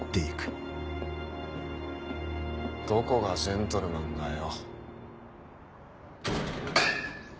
どこがジェントルマンだよ。